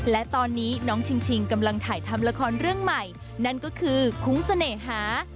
และตอนนี้น้องชิงกำลังถ่ายทำละครเรื่องใหม่นั่นก็คือคุ้งเสน่หา